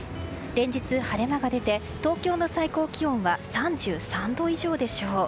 連日晴れ間が出て東京の最高気温３３度以上でしょう。